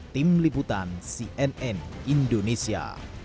tim liputan cnn indonesia